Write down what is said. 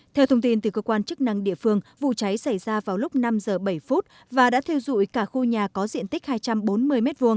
theo thông tin từ cơ quan chức năng địa phương vụ cháy xảy ra vào lúc năm giờ bảy phút và đã thiêu dụi cả khu nhà có diện tích hai trăm bốn mươi m hai